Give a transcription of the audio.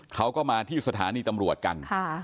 เขาก็มาที่สถานีตำรวจกัน